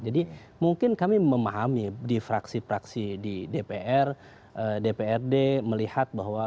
jadi mungkin kami memahami di fraksi fraksi di dpr dprd melihat bahwa